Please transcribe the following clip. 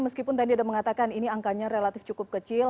meskipun tadi ada mengatakan ini angkanya relatif cukup kecil